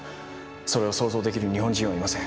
それを想像できる日本人はいません。